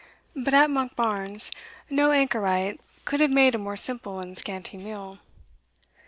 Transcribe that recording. But at Monkbarns, no anchoret could have made a more simple and scanty meal.